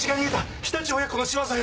常陸親子の仕業よ！